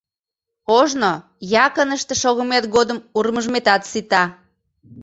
Ожно якыныште шогымет годым урмыжметат сита.